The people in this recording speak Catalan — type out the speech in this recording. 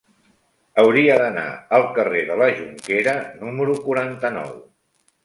Hauria d'anar al carrer de la Jonquera número quaranta-nou.